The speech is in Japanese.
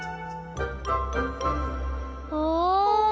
お。